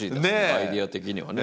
アイデア的にはね。